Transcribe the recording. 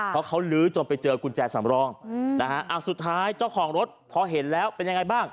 เพราะเขาลื้อจนไปเจอกุญแจสำรองนะฮะสุดท้ายเจ้าของรถพอเห็นแล้วเป็นยังไงบ้าง